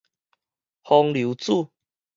風流子